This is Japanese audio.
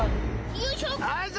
よいしょ！